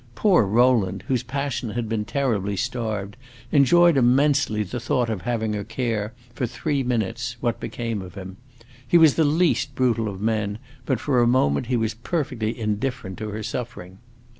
Poor Rowland, whose passion had been terribly starved, enjoyed immensely the thought of having her care, for three minutes, what became of him. He was the least brutal of men, but for a moment he was perfectly indifferent to her suffering.